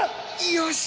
よし！